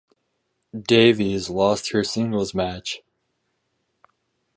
Davies lost her singles match.